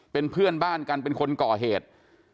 เป็นเพื่อนบ้านกันเป็นคนก่อเหตุ